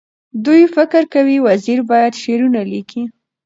دوی فکر کوي وزیر باید شعر ونه لیکي.